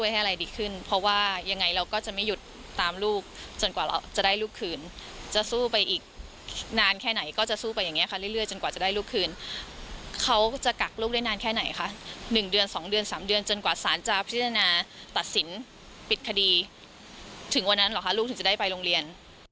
หรือจะได้ไปโรงเรียน